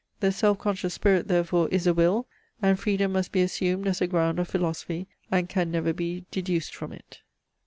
The self conscious spirit therefore is a will; and freedom must be assumed as a ground of philosophy, and can never be deduced from it.